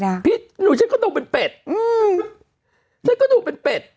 ดูฉ่อเนื้อกระโต้เป็นเฟ็ดฉันกระโต้เป็นเป็ด